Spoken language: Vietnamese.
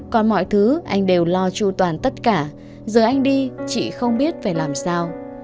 còn mọi thứ anh đều lo chu toàn tất cả giờ anh đi chị không biết phải làm sao